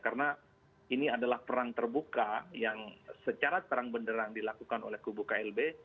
karena ini adalah perang terbuka yang secara terang benderang dilakukan oleh kubu klb